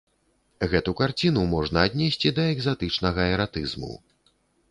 Гэту карціну можна аднесці да экзатычнага эратызму.